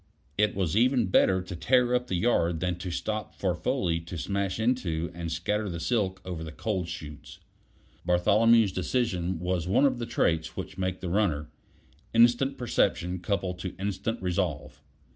It was even better to tear up the yard than to stop for Foley to smash into and scatter the silk over the coal chutes. Bartholomew's decision was one of the traits which make the runner: instant perception coupled to instant resolve.